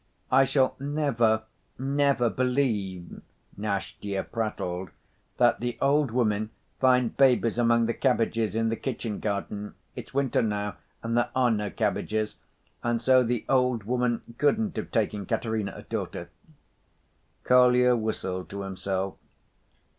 "I shall never, never believe," Nastya prattled, "that the old women find babies among the cabbages in the kitchen‐garden. It's winter now and there are no cabbages, and so the old woman couldn't have taken Katerina a daughter." Kolya whistled to himself.